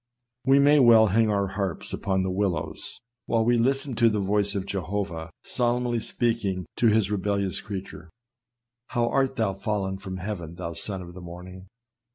We may well hang our harps upon the willows, while we listen to the voice of Jeho vah solemnly speaking to his rebellious creature. "How art thou fallen from heaven, thou son of the morning!"